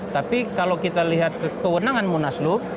tapi kalau kita lihat kewenangan munaslup